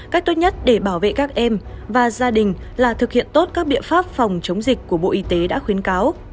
cách tốt nhất để bảo vệ các em và gia đình là thực hiện tốt các biện pháp phòng chống dịch của bộ y tế đã khuyến cáo